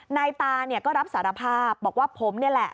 นายตาเนี่ยก็รับสารภาพบอกว่าผมนี่แหละ